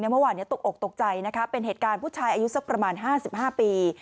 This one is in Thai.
เมื่อวานตกอกตกใจนะคะเป็นเหตุการณ์ผู้ชายอายุสักประมาณ๕๕ปี